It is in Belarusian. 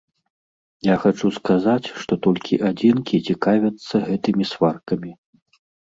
Я хачу сказаць, што толькі адзінкі цікавяцца гэтымі сваркамі.